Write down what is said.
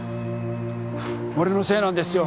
俺のせいなんですよ